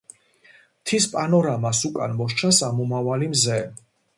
მთის პანორამის უკან მოსჩანს ამომავალი მზე.